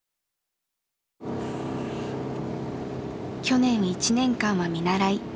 去年１年間は見習い。